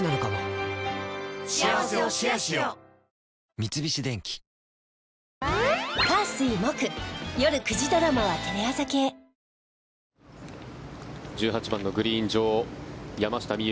三菱電機１８番のグリーン上山下美夢